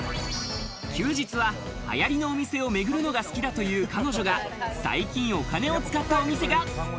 休日は流行のお店を巡るのが好きだという彼女が、最近お金を使ったお店が。